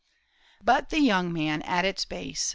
But the young man at its base.